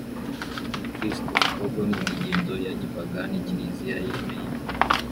gikristo ahubwo ni imigenzo ya gipagani kiliziya yemeye